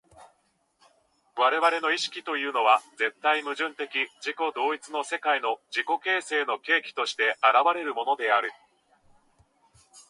我々の意識というのは絶対矛盾的自己同一の世界の自己形成の契機として現れるのであり、